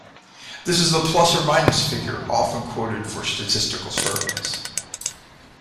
This is the "plus or minus" figure often quoted for statistical surveys.